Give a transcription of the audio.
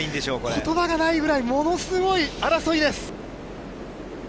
言葉がないぐらいものすごい争いです。